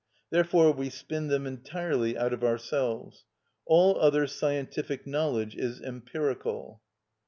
Therefore we spin them entirely out of ourselves. All other scientific knowledge is empirical.